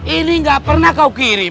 ini gak pernah kau kiri